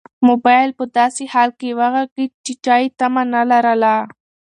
موبایل په داسې حال کې وغږېد چې چا یې تمه نه لرله.